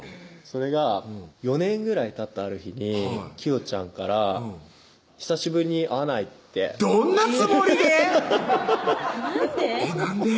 それが４年ぐらいたったある日にきよちゃんから「久しぶりに会わない？」ってどんなつもりで⁉なんで？